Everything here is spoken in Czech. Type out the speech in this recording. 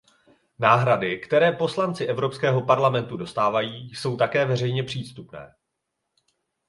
Náhrady, které poslanci Evropského parlamentu dostávají, jsou také veřejně přístupné.